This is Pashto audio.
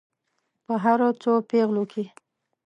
په هرو څو پیغلو کې.